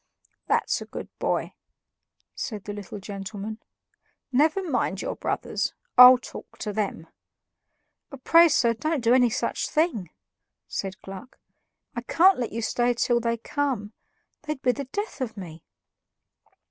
"That's a good boy," said the little gentleman. "Never mind your brothers. I'll talk to them." "Pray, sir, don't do any such thing," said Gluck. "I can't let you stay till they come; they'd be the death of me."